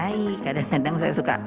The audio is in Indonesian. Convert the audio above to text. hai kadang kadang saya suka